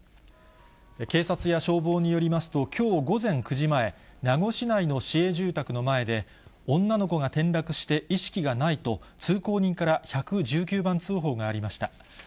警察や消防によりますと、きょう午前９時前、名護市内の市営住宅の前で、女の子が転落して意識がないと、通行人から１１９番通報がありました。